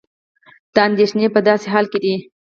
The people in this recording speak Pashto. دا اندېښنې په داسې حال کې دي